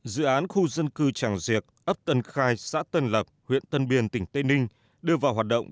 dự án khu dân cư tràng diệc ấp tân khai xã tân lập huyện tân biên tỉnh tây ninh đưa vào hoạt động